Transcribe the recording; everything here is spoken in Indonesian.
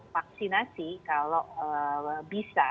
vaksinasi kalau bisa